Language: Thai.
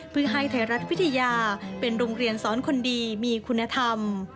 เพื่อให้ไทยรัฐวิทยาเป็นโรงเรียนสอนคนดีมีคุณธรรม